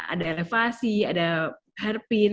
ada elevasi ada hairpin